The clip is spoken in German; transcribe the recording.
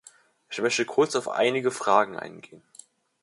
Ich möchte kurz auf einige Fragen eingehen.